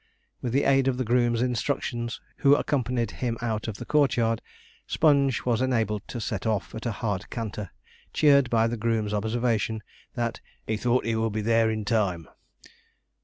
With the aid of the groom's instructions, who accompanied him out of the courtyard, Sponge was enabled to set off at a hard canter, cheered by the groom's observation, that 'he thought he would be there in time.'